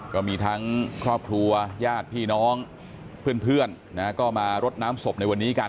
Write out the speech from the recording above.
ก็มีทั้งครอบครัวญาติพี่น้องเพื่อนก็มารดน้ำศพในวันนี้กัน